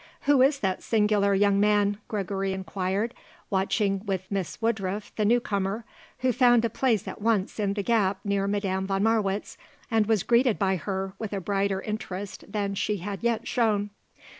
"Who is that singular young man?" Gregory inquired watching with Miss Woodruff the newcomer, who found a place at once in the gap near Madame von Marwitz and was greeted by her with a brighter interest than she had yet shown.